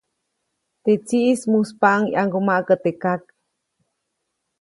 Teʼ tsiʼis muspaʼuŋ ʼyaŋgumaʼkä teʼ kak.